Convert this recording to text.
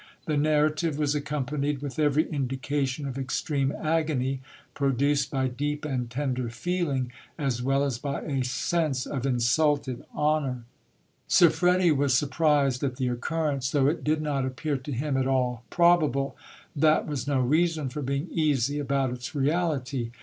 The narrative was accompanied with every indication of extreme agony, produced by deep and tender feeling, as well as by a sense of insulted honour. Siffredi was surprised at the occurrence. Though it did not appear to him at all probable, that was no reason for being easy about its reality.